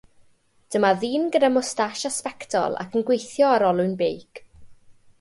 Dyma ddyn gyda mwstas a sbectol ac yn gweithio ar olwyn beic.